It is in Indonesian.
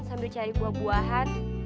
sambil cari buah buahan